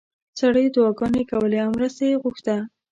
سړیو دعاګانې کولې او مرسته یې غوښته.